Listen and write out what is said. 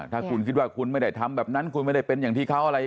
ถ้าคุณคิดว่าคุณไม่ได้ทำแบบนั้นคุณไม่ได้เป็นอย่างที่เขาอะไร